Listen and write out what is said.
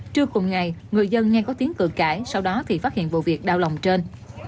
trưa cùng ngày người dân nghe có tiếng cử cãi sau đó thì phát hiện vụ việc đau lòng trên